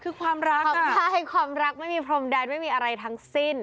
คือความรักความใช่ความรักไม่มีพรมแดนไม่มีอะไรทั้งสิ้น